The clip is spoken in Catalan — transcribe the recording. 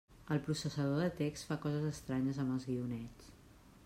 El processador de text fa coses estranyes amb els guionets.